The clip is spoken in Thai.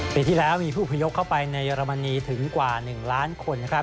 ปีที่แล้วมีผู้พยพเข้าไปในเยอรมนีถึงกว่า๑ล้านคนนะครับ